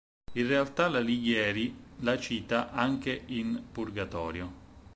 In realtà l'Alighieri la cita anche in Pg.